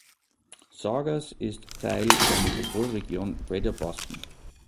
Saugus ist Teil der Metropolregion Greater Boston.